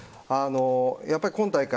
やっぱり今大会